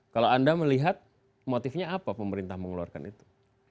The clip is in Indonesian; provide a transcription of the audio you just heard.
kalau anda melihat motifnya apa pemerintah mengeluarkan itu